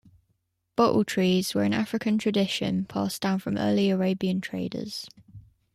Bottle trees were an African tradition, passed down from early Arabian traders.